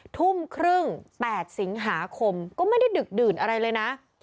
ทุ่มครึ่ง๘สิงหาคมก็ไม่ได้ดึกดื่นอะไรเลยนะ